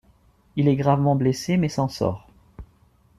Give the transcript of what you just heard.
Il est gravement blessé mais s'en sort.